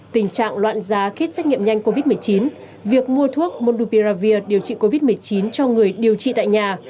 tình trạng loạn giá khi xét nghiệm nhanh covid một mươi chín việc mua thuốc mondupiravir điều trị covid một mươi chín cho người điều trị tại nhà